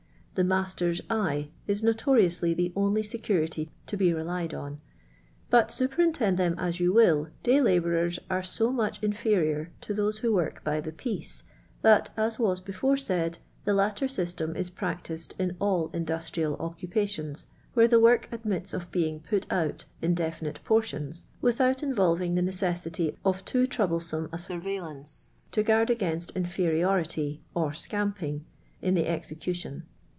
The 'masters tye* is notoriously the only security to be relied en. BiA superintend tbcm as yoa will, day labourers are so much in ferior ta those who work by the piece, that, as was before said, the latter system is practised in aH iadustnal occupations where the work admits of being put out in defiuife portions^ without in Talving the necessity of taa troublesome a surveil laaca t» guard against inferiority (or scamping) in the execution.